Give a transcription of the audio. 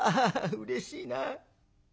うれしいな。